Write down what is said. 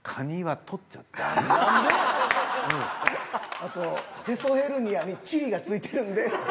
あとへそヘルニアにチリが付いてるんで。